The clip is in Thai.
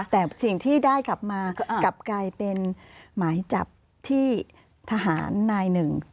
แต่สิ่งที่ได้กลับมาเป็นหมายจับที่ทหารนาย๑